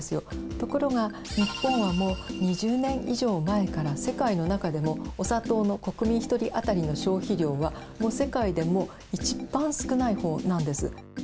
ところが日本はもう２０年以上前から世界の中でもお砂糖の国民一人あたりの消費量は世界でも一番少ない方なんです。